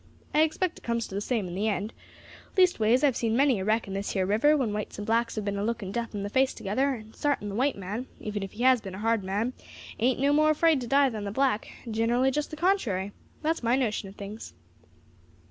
I expect it comes to the same in the end; leastways, I have seen many a wreck in this here river, when whites and blacks have been a looking death in the face together, and sartin the white man, even if he has been a hard man, ain't no more afraid to die than the black, generally just the contrary. That's my notion of things."